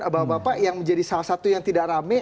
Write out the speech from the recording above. bapak bapak yang menjadi salah satu yang tidak rame